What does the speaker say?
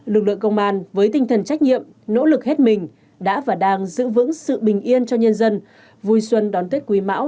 lực lượng công an với tinh thần trách nhiệm nỗ lực hết mình đã và đang giữ vững sự bình yên cho nhân dân vui xuân đón tết quý mão hai nghìn hai mươi ba